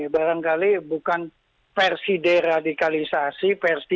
barangkali bukan versi deradikalisasi